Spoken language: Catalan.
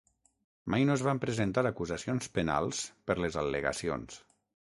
Mai no es van presentar acusacions penals per les al·legacions.